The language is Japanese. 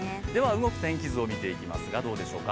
動く天気図を見ていきますが、どうでしょうか。